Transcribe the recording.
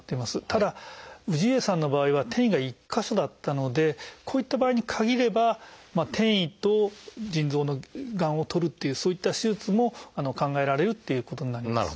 ただ氏家さんの場合は転移が１か所だったのでこういった場合に限れば転移と腎臓のがんをとるっていうそういった手術も考えられるっていうことになります。